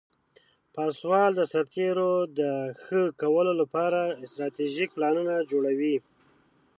پاسوال د سرتیرو د ښه کولو لپاره استراتیژیک پلانونه جوړوي.